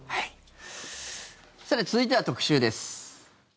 さて、続いては特集です。